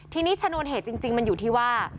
ทีนี้ชนวนเหตุจริงมันอยู่ที่ว่า